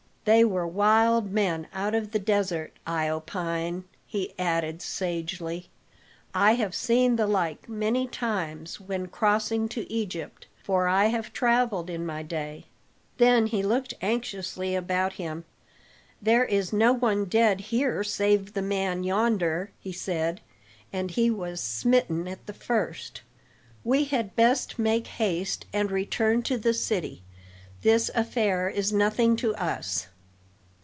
They were wild men out of the desert, I opine," he added sagely. "I have seen the like many times when crossing to Egypt, for I have traveled in my day." Then he looked anxiously about him. "There is no one dead here save the man yonder," he said, "and he was smitten at the first. We had best make haste and return to the city; this affair is nothing to us."